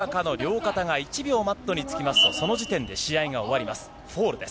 どちらかの両肩が１秒マットにつきますと、その時点で試合が終わります、フォールです。